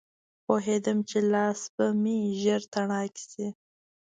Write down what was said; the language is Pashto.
پوهېدم چې لاسونه به مې ژر تڼاکي شي.